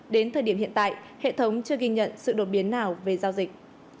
đến thời điểm hiện tại hệ thống chưa ghi nhận sự đột biến nào về giao dịch